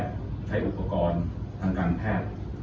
ใช้อุปกรณ์ทางการแพทย์